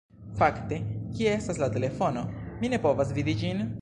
Fakte, kie estas la telefono? Mi ne povas vidi ĝin.